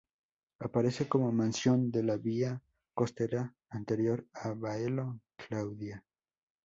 Aparece como mansión de la vía costera anterior a Baelo Claudia.